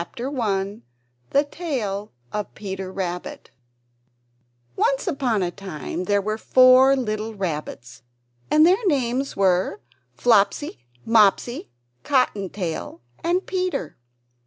THE TALE OF PETER RABBIT BY BEATRIX POTTER Once upon a time there were four little Rabbits, and their names were Flopsy, Mopsy, Cotton Tail, and Peter.